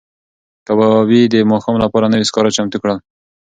کبابي د ماښام لپاره نوي سکاره چمتو کړل.